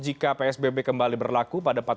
jika psbb kembali berlaku pada